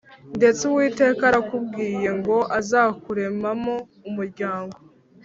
Ndetse Uwiteka arakubwiye ngo azakuremamo umuryango.